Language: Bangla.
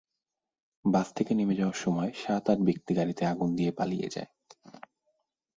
বাস থেকে নেমে যাওয়ার সময় সাত-আট ব্যক্তি গাড়িতে আগুন দিয়ে পালিয়ে যায়।